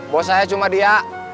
bos saya cuma dia